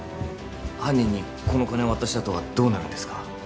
犯人にこの金を渡したあとはどうなるんですか？